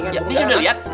ya disini liat